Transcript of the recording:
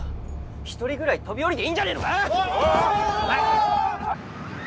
１人ぐらい飛び降りていいんじゃねえのか⁉あ！